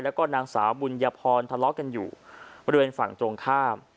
แล้วก็นางสาวบุญยพรทะเลาะกันอยู่บริเวณฝั่งตรงข้าม